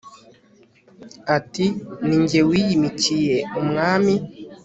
ati ni jye wiyimikiye umwami